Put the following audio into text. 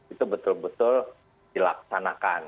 itu betul betul dilaksanakan